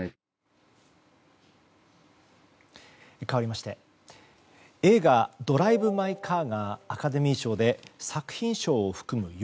かわりまして映画「ドライブ・マイ・カー」がアカデミー賞で作品賞を含む